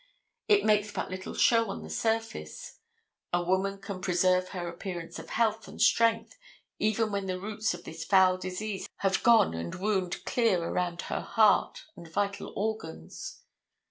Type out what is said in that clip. It makes but little show on the surface. A woman can preserve her appearance of health and strength even when the roots of this foul disease have gone and wound clear around her heart and vital organs.